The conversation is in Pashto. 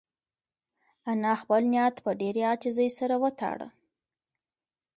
انا خپل نیت په ډېرې عاجزۍ سره وتاړه.